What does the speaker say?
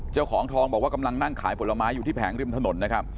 เจ้าของทองบอกว่ากำลังนั่งขายผลไม้อยู่ที่แผงริมถนนนะครับ